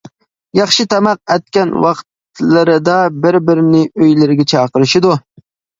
ياخشى تاماق ئەتكەن ۋاقىتلىرىدا بىر-بىرىنى ئۆيلىرىگە چاقىرىشىدۇ.